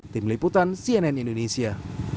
tim liputan cnn indonesia